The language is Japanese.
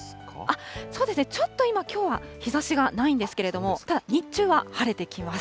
そうですね、ちょっと今、きょうは日ざしがないんですけれども、ただ、日中は晴れてきます。